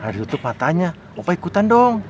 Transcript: harus ditutup matanya opa ikutan dong